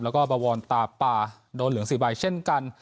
แล้วก็บวรตาปาโดนเหลือง๔ใบเช่นกัน